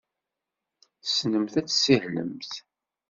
Tessnemt ad tessihlemt?